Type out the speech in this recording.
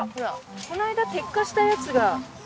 この間摘花したやつが。